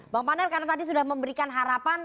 bang panel karena tadi sudah memberikan harapan